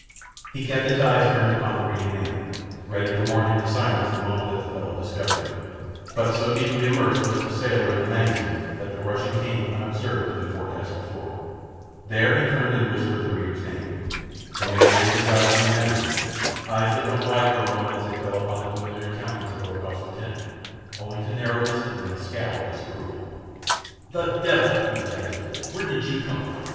He kept his eyes turned upon the reading man, ready to warn him to silence the moment that the fellow discovered him; but so deeply immersed was the sailor in the magazine that the Russian came, unobserved, to the forecastle floor. There he turned and whispered the reader's name. The man raised his eyes from the magazine—eyes that went wide for a moment as they fell upon the familiar countenance of Rokoff's lieutenant, only to narrow instantly in a scowl of disapproval. "The devil!" he ejaculated. "Where did you come from?